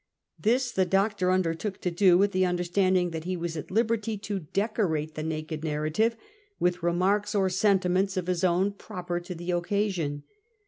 This the doctor undertook to do, with the understanding that he was at liberty to decorate the naked narrative with remarks or sentiments of his own proper to the occasion.